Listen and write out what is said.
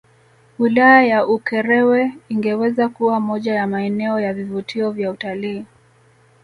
Wilaya ya Ukerewe ingeweza kuwa moja ya maeneo ya vivutio vya utalii